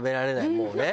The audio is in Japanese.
もうね